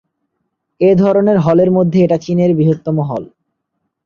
এ ধরনের হলের মধ্যে এটা চীনের বৃহত্তম হল।